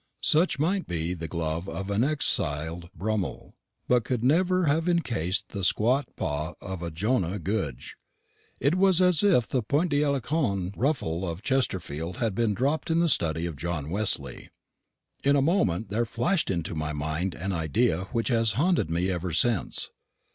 Such might be the glove of an exiled Brummel, but could never have encased the squat paw of a Jonah Goodge. It was as if the point d'Alençon ruffle of Chesterfield had been dropped in the study of John Wesley. In a moment there flashed into my mind an idea which has haunted me ever since.